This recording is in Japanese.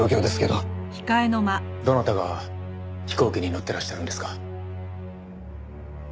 どなたが飛行機に乗ってらっしゃるんですか？